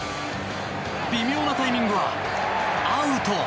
微妙なタイミングはアウト。